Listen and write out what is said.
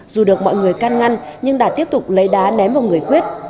dù được mọi người can ngăn nhưng đạt tiếp tục lấy đá ném vào người quyết